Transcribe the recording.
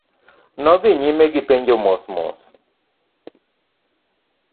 Nodhi nyime gipenjo mos mos.